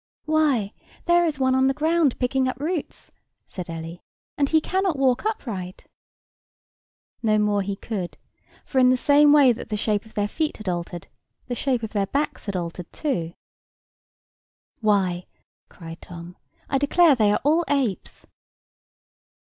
"Why, there is one on the ground picking up roots," said Ellie, "and he cannot walk upright." No more he could; for in the same way that the shape of their feet had altered, the shape of their backs had altered also. "Why," cried Tom, "I declare they are all apes."